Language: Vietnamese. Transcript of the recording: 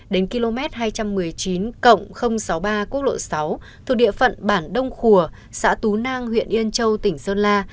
đến km hai trăm một mươi chín sáu mươi ba quốc lộ sáu thuộc địa phận bản đông khùa xã tú nang huyện yên châu tỉnh sơn la